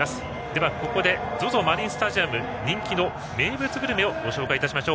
では、ここでＺＯＺＯマリンスタジアムで人気の名物グルメをご紹介します。